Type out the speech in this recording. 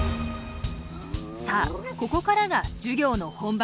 さあここからが授業の本番。